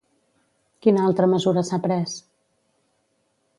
Quina altra mesura s'ha pres?